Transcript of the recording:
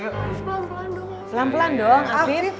pelan pelan dong afif